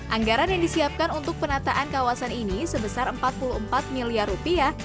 anggaran yang disiapkan untuk penataan kawasan ini sebesar empat puluh empat miliar rupiah